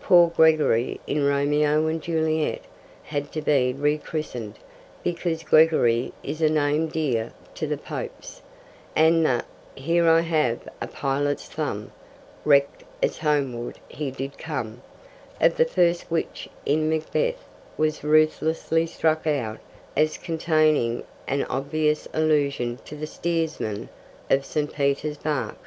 Poor Gregory in Romeo and Juliet had to be rechristened, because Gregory is a name dear to the Popes; and the Here I have a pilot's thumb, Wrecked as homeward he did come, of the first witch in Macbeth was ruthlessly struck out as containing an obvious allusion to the steersman of St. Peter's bark.